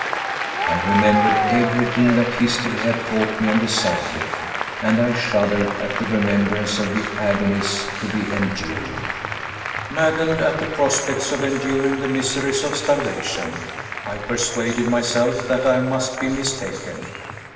I remembered everything that history had taught me on the subject, and I shuddered at the remembrance of the agonies to be endured. Maddened at the prospects of enduring the miseries of starvation, I persuaded myself that I must be mistaken.